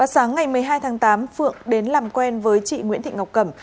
sáng ngày một mươi hai tháng tám phượng đến làm quen với chị nguyễn thị ngọc cẩm